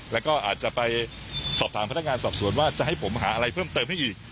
แล้วก็อาจจะไปสอบถามพนักงานสอบสวนว่าจะให้ผมหาอะไรเพิ่มเติมให้อีก